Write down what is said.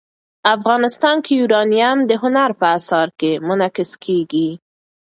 افغانستان کې یورانیم د هنر په اثار کې منعکس کېږي.